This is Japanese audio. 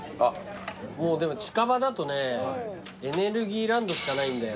もうでも近場だとねエネルギーランドしかないんだよ。